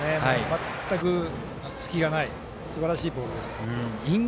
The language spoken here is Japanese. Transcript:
全く隙がないすばらしいボールです。